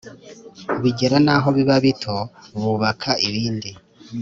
bigera n’aho biba bito bubaka ibindi.